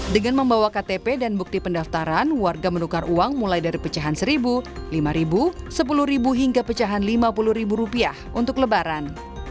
dengan membawa ktp dan bukti pendaftaran warga menukar uang mulai dari pecahan rp satu lima sepuluh hingga pecahan rp lima puluh untuk lebaran